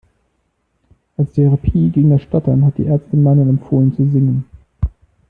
Als Therapie gegen das Stottern hat die Ärztin Manuel empfohlen zu singen.